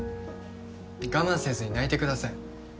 我慢せずに泣いてください